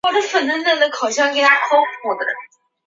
不少电影如尼基塔和憨豆的黄金周都曾经在这里取景。